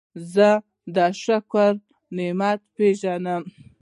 زه د شکر نعمت پېژنم.